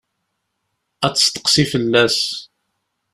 Ad tesseqsi fell-as.